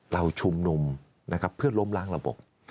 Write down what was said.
เราชุมหนุ่มเพื่อล้มล้างระบบ